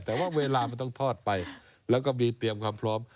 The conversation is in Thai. แต่ว่าเวลามันต้องทอดไปแล้วก็มีเตรียมความพร้อม